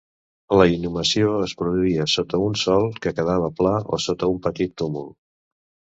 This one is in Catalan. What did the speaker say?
La inhumació es produïa sota un sòl que quedava pla o sota un petit túmul.